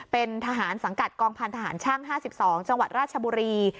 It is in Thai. เป็นทหารสังกัดกองพันธหารช่าง๕๒จังหวัดราชบุรี